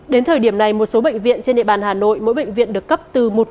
đến thời điểm này một số bệnh viện trên địa bàn hà nội mỗi bệnh viện được cấp từ một